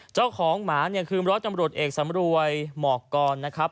เจ้าของหมาเนี่ยคือร้อยจำรวจเอกสำรวยหมอกกรนะครับ